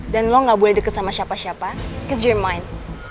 dan lo gak boleh deket sama siapa siapa because you're mine